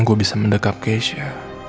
gue bisa mendekat keisha